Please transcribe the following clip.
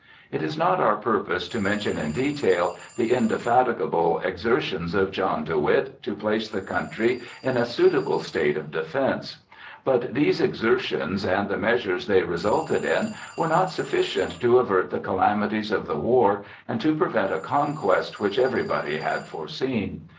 It is not our purpose to mention in detail the indefatigable exertions of John de Witt to place the country in a suitable state of defence. But these exertions and the measures they resulted in were not sufficient to avert the calamities of the war and to prevent a conquest which everybody had foreseen.